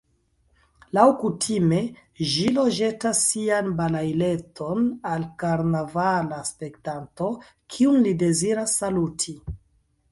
Laŭkutime ĵilo ĵetas sian balaileton al karnavala spektanto, kiun li deziras saluti.